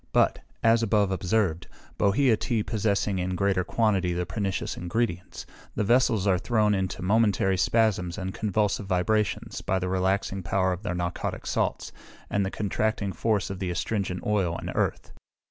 But, as above observed, bohea tea possessing in greater quantity the pernicious ingredients, the vessels are thrown into momentary spasms and convulsive vibrations, by the relaxing power of the narcotic salts, and the contracting force of the astringent oil and earth.